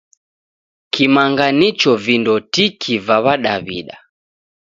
Kimanga nicho vindo tiki va W'adaw'ida.